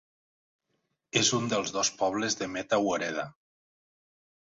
És un dels dos pobles de Meta woreda.